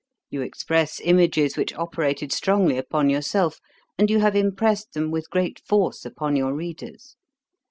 You express images which operated strongly upon yourself, and you have impressed them with great force upon your readers.